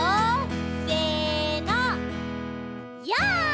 せの。